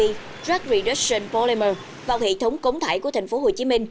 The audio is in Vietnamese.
drug reduction polymer vào hệ thống cống thải của tp hcm